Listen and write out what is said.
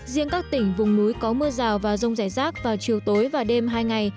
riêng các tỉnh vùng núi có mưa rào và rông rải rác vào chiều tối và đêm hai ngày